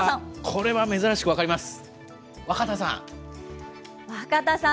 これは珍しく分かります。